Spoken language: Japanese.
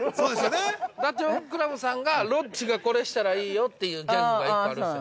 ◆ダチョウ倶楽部さんがロッチがこれしたらいいよというギャグが１個あるんですよ◆